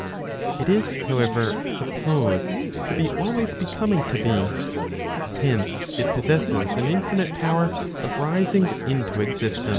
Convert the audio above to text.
1 It is, however, supposed to be always becoming to be. Hence, it possesses an infinite power of rising into existence.